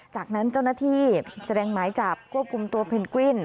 จากนั้นเจ้าหน้าที่แสดงหมายจับควบคุมตัวเพนกวิน